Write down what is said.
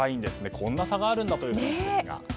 こんなに差があるんだということですが。